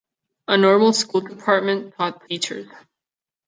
A normal school department taught teachers.